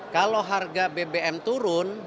kalau harga bbm turun